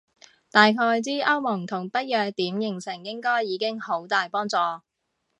大概知歐盟同北約點形成應該已經好大幫助